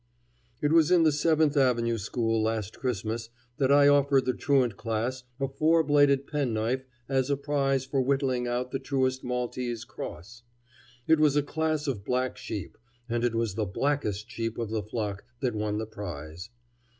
It was in the Seventh Avenue school last Christmas that I offered the truant class a four bladed penknife as a prize for whittling out the truest Maltese cross. It was a class of black sheep, and it was the blackest sheep of the flock that won the prize.